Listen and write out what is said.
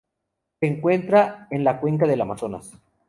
Se encuentra en la cuenca del Amazonas.